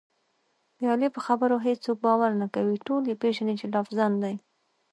د علي په خبرو هېڅوک باور نه کوي، ټول یې پېژني چې لافزن دی.